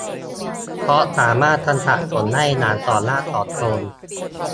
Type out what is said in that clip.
เพราะสามารถกำจัดขนได้อย่างถอนรากถอนโคน